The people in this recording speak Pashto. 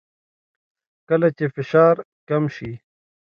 کله چې فشار کم شي